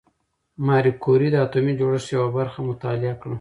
ماري کوري د اتومي جوړښت یوه برخه مطالعه کړه.